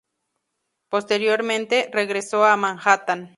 Posteriormente, regresó a Manhattan.